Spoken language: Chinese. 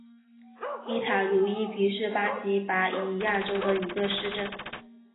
伊塔茹伊皮是巴西巴伊亚州的一个市镇。